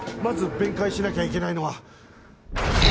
まず弁解しなきゃいけないのは。